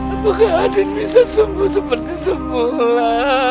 apakah adit bisa sembuh seperti semula